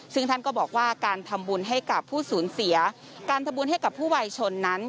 ซึ่งท่านก็บอกว่าการทำบุญให้กับผู้สูญเสียการทำบุญให้กับผู้วัยชนนั้น